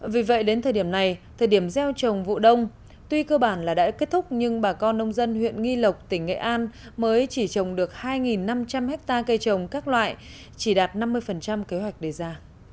vì vậy đến thời điểm này thời điểm gieo trồng vụ đông tuy cơ bản là đã kết thúc nhưng bà con nông dân huyện nghi lộc tỉnh nghệ an mới chỉ trồng được hai năm trăm linh hectare cây trồng các loại chỉ đạt năm mươi kế hoạch đề ra